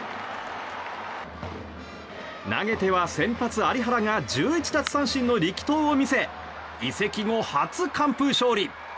投げては先発、有原が１１奪三振の力投を見せ、移籍後初完封勝利。